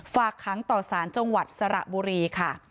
ฝากค้างต่อสารจังหวัดสระบุรีค่ะ